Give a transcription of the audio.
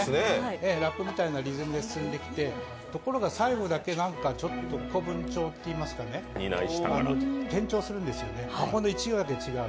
ラップみたいなリズムで進んできて、ところが最後だけなんかちょっと古文調といいますか転調するんですよね、ここの１行だけ違う。